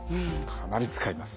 かなり使います。